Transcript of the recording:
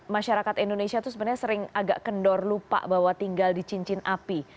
masyarakat indonesia itu sebenarnya sering agak kendor lupa bahwa tinggal di cincin api